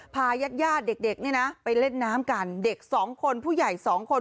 พาญาติเด็กไปเล่นน้ำกันเด็ก๒คนผู้ใหญ่๒คน